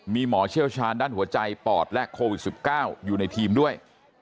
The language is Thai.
มีหมอเชี่ยวชาญด้านหัวใจปอดและโควิด๑๙อยู่ในทีมด้วย